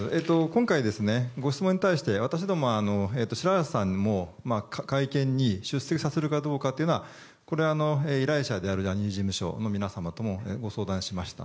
今回、ご質問に対して私共は白波瀬さんも会見に出席させるかどうかは依頼者であるジャニーズ事務所の皆様ともご相談しました。